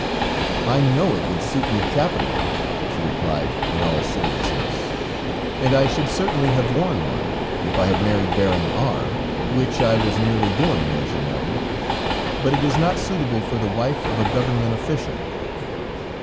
"I know it would suit me capitally," she replied in all seriousness, "and I should certainly have worn one, if I had married Baron R , which I was nearly doing, as you know, but it is not suitable for the wife of a government official."